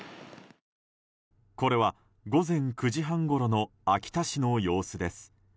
これは、午前９時半ごろの秋田市の様子です。